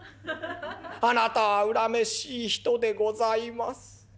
あなたは恨めしい人でございます。